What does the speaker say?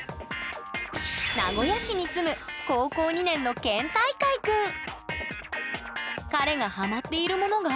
名古屋市に住む彼がハマっているものが？